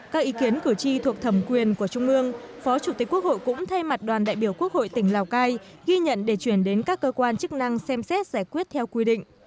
các ý kiến cử tri thuộc thẩm quyền của trung ương phó chủ tịch quốc hội cũng thay mặt đoàn đại biểu quốc hội tỉnh lào cai ghi nhận để chuyển đến các cơ quan chức năng xem xét giải quyết theo quy định